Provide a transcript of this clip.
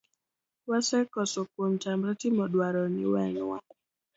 wasekoso kuom tamre timo dwaroni, wenwa.